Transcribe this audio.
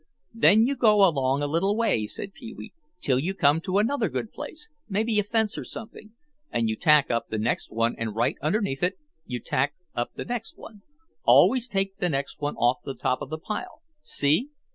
"Then you go along a little way," said Pee wee, "till you come to another good place, maybe a fence or something, and you tack up the next one and right underneath it you tack up the next one; always take the next one off the top of the pile, see?